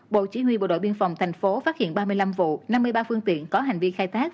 bộ chỉ huy bộ đội biên phòng thành phố phát hiện ba mươi năm vụ năm mươi ba phương tiện có hành vi khai thác